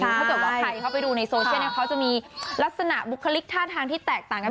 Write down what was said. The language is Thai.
ถ้าเกิดว่าใครเข้าไปดูในโซเชียลเขาจะมีลักษณะบุคลิกท่าทางที่แตกต่างกัน